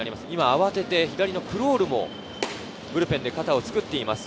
慌てて左のクロールもブルペンで肩をつくっています。